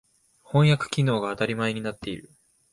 翻訳機能が当たり前になっている。